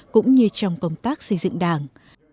cũng như trong công tác xây dựng đảng